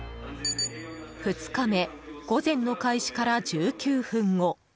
２日目午前の開始から１９分後。